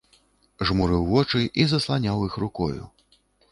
Жмурыў вочы і засланяў іх рукою.